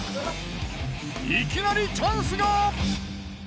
いきなりチャンスが！！